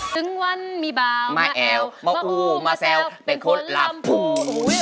ถึงวันมีเบามาแอวบ้าหู้มาแซวเป็นคนลำพู